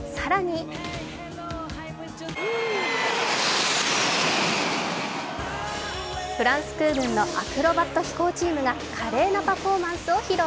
更にフランス空軍のアクロバット飛行チームが華麗なパフォーマンスを披露。